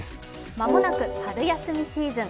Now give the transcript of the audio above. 間もなく春休みシーズン